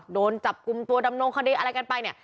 โดนจับกุมตัวดำโนเคอะเรียนอะไรกันไปเนี่ย